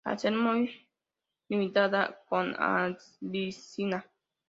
Al sur limitaba con Abisinia.